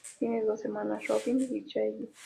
Tiene dos hermanas, Robin y Shelley.